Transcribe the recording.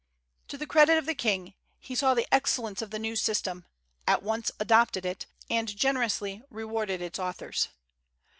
To the credit of the king, he saw the excellence of the new system, at once adopted it, and generously rewarded its authors.